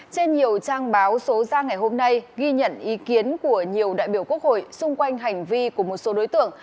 trên nhiều trang báo số ra ngày hôm nay ghi nhận ý kiến của nhiều đại biểu quốc hội xung quanh hành vi của một số đối tượng